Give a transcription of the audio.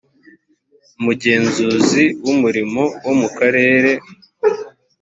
umugenzuzi w umurimo wo mu karere